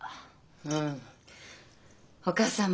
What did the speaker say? うん。